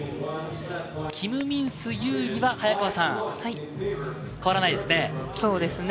キム・ミンス、有利は変わらないですね。